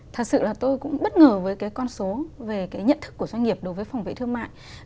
thật sự là tôi cũng bất ngờ với cái con số về cái nhận thức của doanh nghiệp đối với phòng vệ thương mại